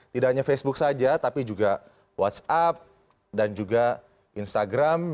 tidak hanya facebook saja tapi juga whatsapp dan juga instagram